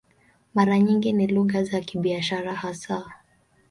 Mara nyingi ni lugha za biashara hasa.